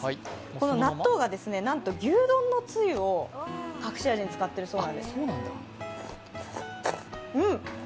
この納豆は牛丼の汁を隠し味に使っているそうなんです。